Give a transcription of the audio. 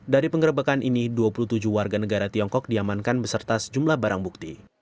dari pengerebekan ini dua puluh tujuh warga negara tiongkok diamankan beserta sejumlah barang bukti